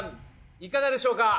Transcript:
いかがでしょうか？